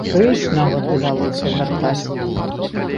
Рэйс нават давялося вяртаць.